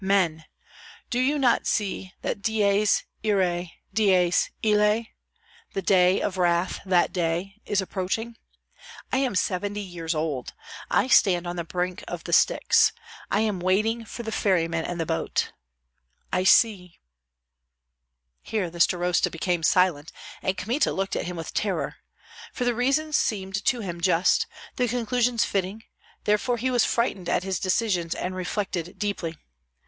Men! do ye not see that dies iræ, dies illa (the day of wrath, that day) is approaching? I am seventy years old; I stand on the brink of the Styx, I am waiting for the ferryman and the boat, I see " Here the starosta became silent, and Kmita looked at him with terror; for the reasons seemed to him just, the conclusions fitting, therefore he was frightened at his decisions and reflected deeply.